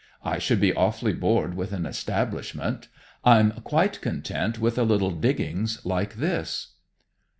I should be awfully bored with an establishment. I'm quite content with a little diggings like this."